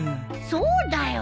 そうだよ。